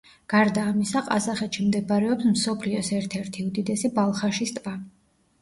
გარდა ამისა, ყაზახეთში მდებარეობს მსოფლიოს ერთ-ერთი უდიდესი ბალხაშის ტბა.